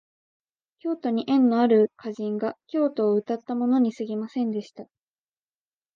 京都に縁のある歌人が京都をうたったものにすぎませんでした